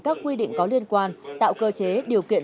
các quy định có liên quan tạo cơ chế điều kiện